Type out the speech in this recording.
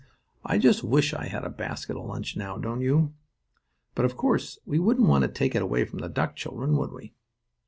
I just wish I had that basket of lunch now, don't you? But, of course, we wouldn't want to take it away from the duck children, would we?